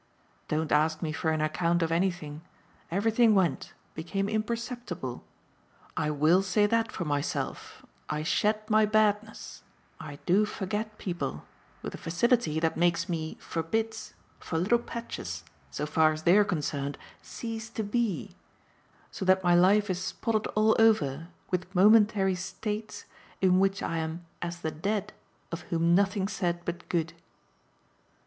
Don't ask me for an account of anything; everything went became imperceptible. I WILL say that for myself: I shed my badness, I do forget people, with a facility that makes me, for bits, for little patches, so far as they're concerned, cease to BE; so that my life is spotted all over with momentary states in which I'm as the dead of whom nothing's said but good."